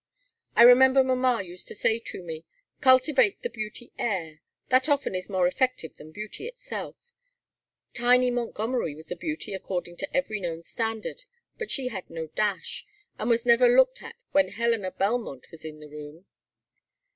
I remember mamma used to say to me: 'Cultivate the beauty air. That often is more effective than beauty itself. Tiny Montgomery was a beauty according to every known standard, but she had no dash, and was never looked at when Helena Belmont was in the room.'